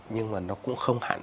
nhưng mà nó cũng không hạn chế